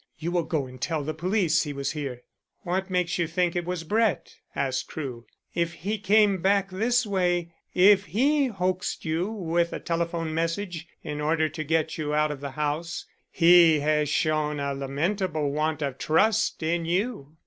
"You will go and tell the police he was here." "What makes you think it was Brett?" asked Crewe. "If he came back this way if he hoaxed you with a telephone message in order to get you out of the house he has shown a lamentable want of trust in you."